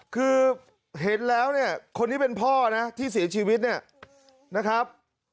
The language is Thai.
คือเห็นแล้วเนี่ยคนที่เป็นพ่อนะที่เสียชีวิตเนี่ยนะครับ